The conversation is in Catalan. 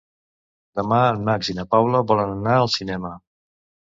Demà en Max i na Paula volen anar al cinema.